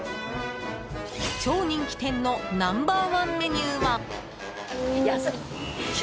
超人気店のナンバー１メニューは。